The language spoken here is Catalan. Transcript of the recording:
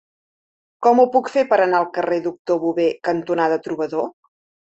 Com ho puc fer per anar al carrer Doctor Bové cantonada Trobador?